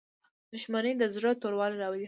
• دښمني د زړه توروالی راولي.